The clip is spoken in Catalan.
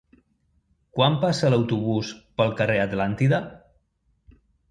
Quan passa l'autobús pel carrer Atlàntida?